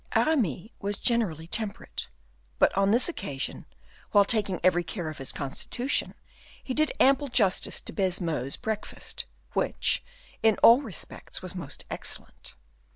Aramis was generally temperate; but on this occasion, while taking every care of his constitution, he did ample justice to Baisemeaux's breakfast, which, in all respects, was most excellent.